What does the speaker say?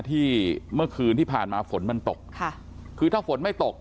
ที่เมื่อคืนที่ผ่านมาฝนมันตกค่ะคือถ้าฝนไม่ตก